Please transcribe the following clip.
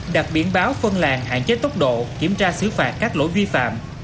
đặt biển báo phân làng hạn chế tốc độ kiểm tra xử phạt các lỗi vi phạm